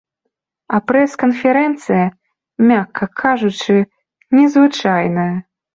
А прэс-канферэнцыя, мякка кажучы, незвычайная.